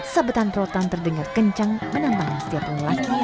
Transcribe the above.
sabetan rotan terdengar kencang menambahkan setiap orang laki yang hadir di rumah